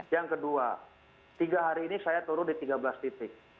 yang kedua tiga hari ini saya turun di tiga belas titik